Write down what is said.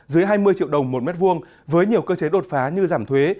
dưới hai mươi triệu đồng một mét vuông với nhiều cơ chế đột phá như giảm thuế